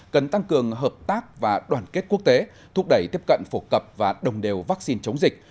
cần tăng cường hợp tác và đoàn kết quốc tế thúc đẩy tiếp cận phổ cập và đồng đều vaccine chống dịch